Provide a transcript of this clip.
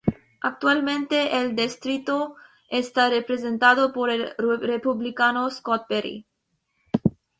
Actualmente el distrito está representado por el Republicano Scott Perry.